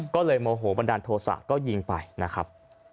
ก็เลยโมโหบันดาลโทษะก็ยิงไปนะครับ